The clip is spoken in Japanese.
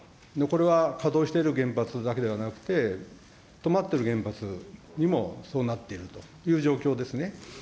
これは、稼働している原発だけではなくて、止まっている原発にもそうなっているという状況ですね。